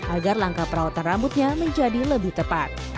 agar langkah perawatan rambutnya menjadi lebih tepat